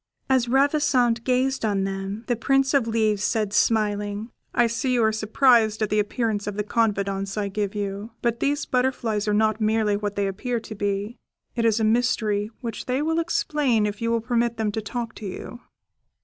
As Ravissante gazed on them, the Prince of Leaves said, smiling, "I see you are surprised at the appearance of the confidants I give you; but these butterflies are not merely what they appear to be; it is a mystery which they will explain if you will permit them to talk to you."